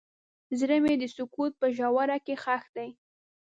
زړه مې د سکوت په ژوره کې ښخ دی.